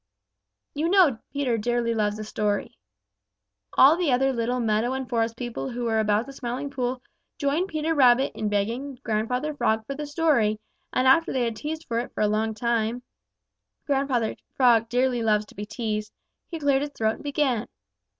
You know Peter dearly loves a story. All the other little meadow and forest people who were about the Smiling Pool joined Peter Rabbit in begging Grandfather Frog for the story, and after they had teased for it a long time (Grandfather Frog dearly loves to be teased), he cleared his throat and began.